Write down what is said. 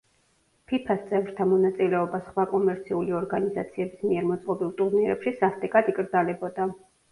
ფიფა-ს წევრთა მონაწილეობა სხვა კომერციული ორგანიზაციების მიერ მოწყობილ ტურნირებში სასტიკად იკრძალებოდა.